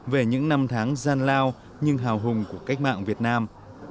về những năm tháng gian lao nhưng hào hùng của cách mạng việt nam